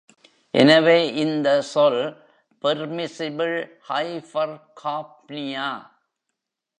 எனவே இந்த சொல், பெர்மிஸிபிள் ஹைபர்காப்னியா.